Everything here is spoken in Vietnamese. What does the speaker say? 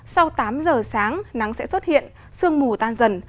sau tám giờ sáng nắng sẽ xuất hiện sương mù tan dần